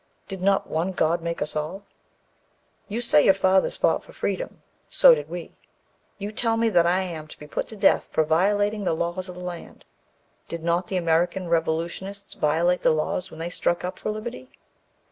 Did not one God make us all? You say your fathers fought for freedom; so did we. You tell me that I am to be put to death for violating the laws of the land. Did not the American revolutionists violate the laws when they struck for liberty?